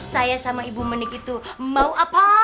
saya sama ibu menik itu mau apa